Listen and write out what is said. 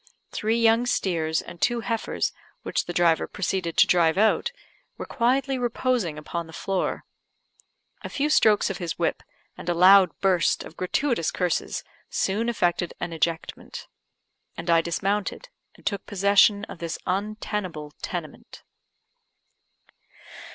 Three young steers and two heifers, which the driver proceeded to drive out, were quietly reposing upon the floor. A few strokes of his whip, and a loud burst of gratuitous curses, soon effected an ejectment; and I dismounted, and took possession of this untenable tenement.